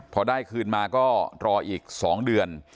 พอได้คืนมาก็รออีก๒เดือน